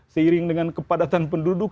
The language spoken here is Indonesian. seiring dengan kepadatan penduduk